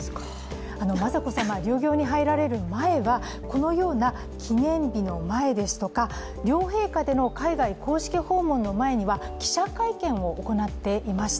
雅子さま、療養に入られる前はこのような記念日の前ですとか両陛下での海外公式訪問の前には記者会見を行っていました。